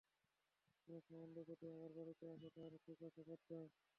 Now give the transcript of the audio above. কোনো সম্বন্ধ যদি আবার বাড়িতে আসে, তাহলে ঠিক আছে, বাদ দাও।